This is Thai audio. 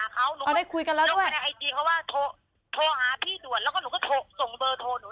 เราได้คุยกันแล้วด้วยเพราะว่าโทรหาพี่ด่วนแล้วหนูก็ส่งเบอร์โทรหนู